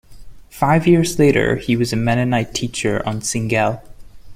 Five years later he was a mennonite teacher on Singel.